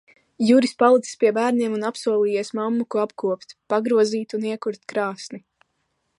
Juris palicis pie bērniem un apsolījies mammuku apkopt, pagrozīt un iekurt krāsni.